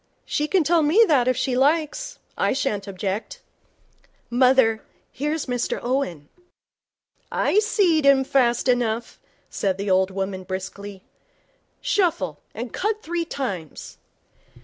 'She can tell me that if she likes. I shan't object.' 'Mother, here's Mr Owen.' 'I seed him fast enough,' said the old woman, briskly. 'Shuffle, an' cut three times.'